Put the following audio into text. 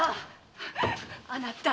あなた！